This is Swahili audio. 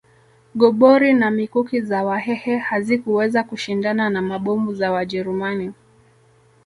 Gobori na mikuki ya Wahehe hazikuweza kushindana na mabomu za Wajerumani